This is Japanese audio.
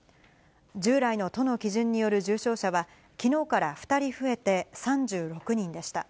従来の都の基準による重症者は、きのうから２人増えて３６人でした。